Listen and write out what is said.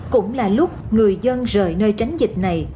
cũng là lúc người dân rời nơi tránh dịch này